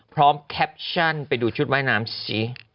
แคปชั่นไปดูชุดว่ายน้ำสิ